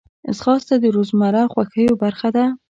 ځغاسته د روزمره خوښیو برخه ده